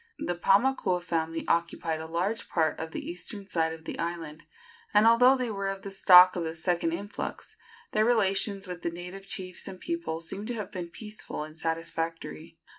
The Paumakua family occupied a large part of the eastern side of the island, and, although they were of the stock of the second influx, their relations with the native chiefs and people seem to have been peaceful and satisfactory.